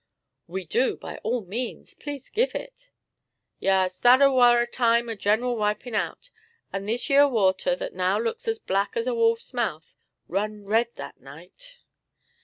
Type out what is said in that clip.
"We do by all means; please give it." "Yas, that ar' war' a time of general wipin' out, and this yer water that now looks as black as a wolf's mouth, run red that night!